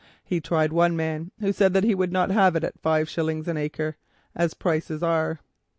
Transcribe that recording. He tried one man, who said that he would not have it at five shillings an acre, as prices are."